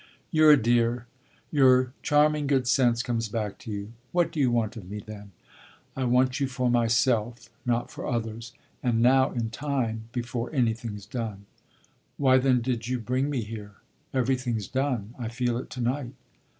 "You're a dear your charming good sense comes back to you! What do you want of me, then?" "I want you for myself not for others; and now, in time, before anything's done." "Why, then, did you bring me here? Everything's done I feel it to night."